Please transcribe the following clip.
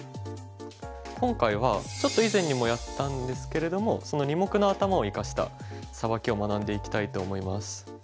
今回はちょっと以前にもやったんですけれどもその二目の頭を生かしたサバキを学んでいきたいと思います。